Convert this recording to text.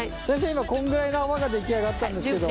今こんぐらいの泡が出来上がったんですけど。